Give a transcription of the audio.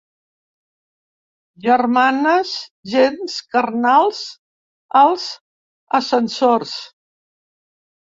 Germanes gens carnals als ascensors.